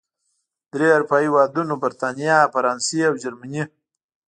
درې اروپايي هېوادونو، بریتانیا، فرانسې او جرمني